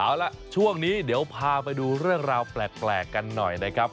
เอาล่ะช่วงนี้เดี๋ยวพาไปดูเรื่องราวแปลกกันหน่อยนะครับ